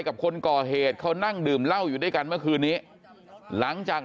กับคนก่อเหตุเขานั่งดื่มเหล้าอยู่ด้วยกันเมื่อคืนนี้หลังจาก